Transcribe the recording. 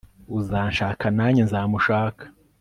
uzanshaka nanjye nzamushaka